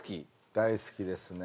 大好きですね。